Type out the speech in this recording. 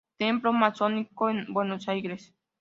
Templo Masónico en Buenos Aires.